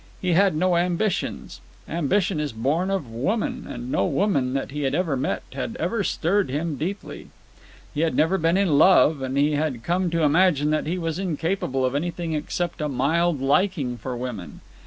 He had no ambitions. Ambition is born of woman, and no woman that he had ever met had ever stirred him deeply. He had never been in love, and he had come to imagine that he was incapable of anything except a mild liking for women.